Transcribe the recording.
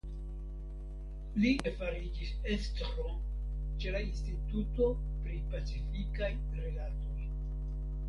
Li rapide fariĝis estro ĉe la Instituto pri Pacifikaj Rilatoj.